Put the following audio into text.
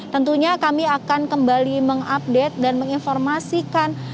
tentunya kami akan kembali mengupdate dan menginformasikan